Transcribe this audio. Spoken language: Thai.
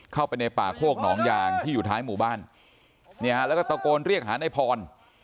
เข้าไปในป่าโคกหนองยางที่อยู่ท้ายหมู่บ้านเนี่ยฮะแล้วก็ตะโกนเรียกหานายพร